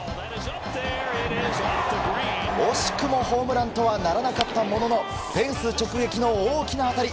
惜しくもホームランとはならなかったもののフェンス直撃の大きな当たり。